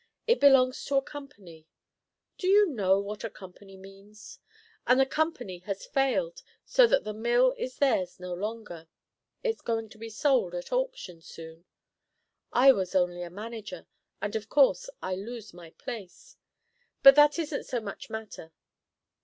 It belongs to a company; do you know what a 'company' means? and the company has failed, so that the mill is theirs no longer. It's going to be sold at auction soon. I was only a manager, and of course I lose my place. But that isn't so much matter.